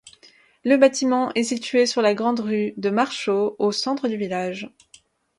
Le bâtiment est situé sur la grande rue de Marchaux, au centre du village.